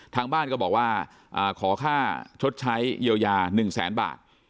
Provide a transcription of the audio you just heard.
ทางบ้านก็บอกว่าขอค่าชดใช้เยียวยา๑แสนบาท